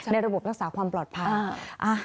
ระบบรักษาความปลอดภัย